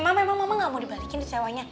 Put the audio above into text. mama emang gak mau dibalikin duit sewanya